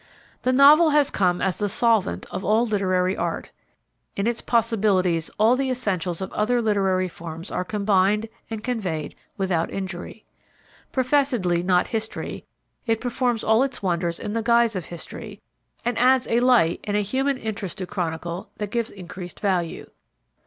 The Novel has come as the solvent of all literary art. In its possibilities all the essentials of other literary forms are combined and conveyed without injury. Professedly not History, it performs all its wonders in the guise of History and adds a light and a human interest to chronicle that gives increased value.